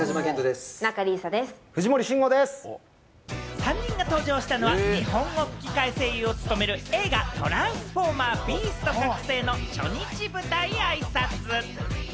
３人が登場したのは日本語吹き替え声優を務める映画『トランスフォーマー／ビースト覚醒』の初日舞台あいさつ。